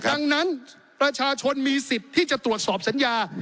ดังนั้นประชาชนมีสิทธิ์ที่จะตรวจสอบสัญญา